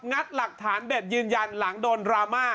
ัดหลักฐานเด็ดยืนยันหลังโดนดราม่า